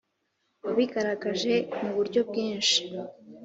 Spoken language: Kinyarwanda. wabigaragaje muburyo bwinshi